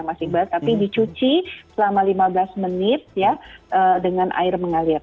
mas iqbal tapi dicuci selama lima belas menit ya dengan air mengalir